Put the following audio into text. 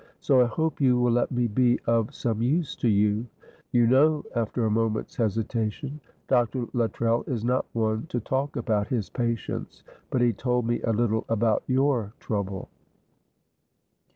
So I hope you will let me be of some use to you. You know," after a moment's hesitation, "Dr. Luttrell is not one to talk about his patients, but he told me a little about your trouble."